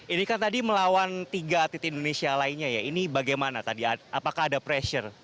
ini kan tadi melawan tiga atlet indonesia lainnya ya ini bagaimana tadi apakah ada pressure